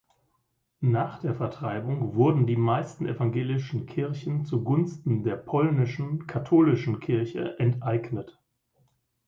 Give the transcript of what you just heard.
Nach der Vertreibung wurden die meisten evangelischen Kirchen zugunsten der polnischen katholischen Kirche enteignet.